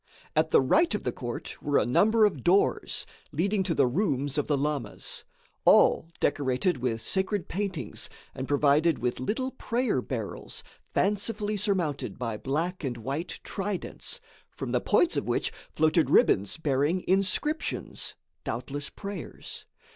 At the right of the court were a number of doors, leading to the rooms of the lamas; all decorated with sacred paintings and provided with little prayer barrels fancifully surmounted by black and white tridents, from the points of which floated ribbons bearing inscriptions doubtless prayers.